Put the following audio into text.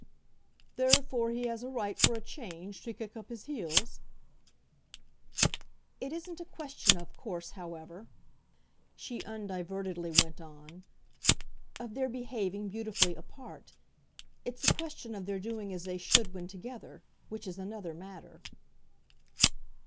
"Therefore he has a right, for a change, to kick up his heels?" "It isn't a question, of course, however," she undivertedly went on, "of their behaving beautifully apart. It's a question of their doing as they should when together which is another matter."